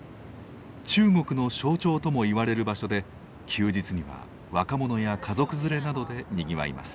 中国の象徴ともいわれる場所で休日には若者や家族連れなどでにぎわいます。